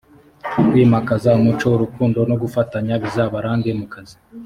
kwimakaza umuco urukundo no gufashanya bizabarange mu kazi